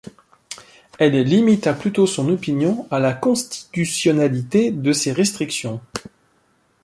Elle limita plutôt son opinion à la constitutionnalité de ces restrictions.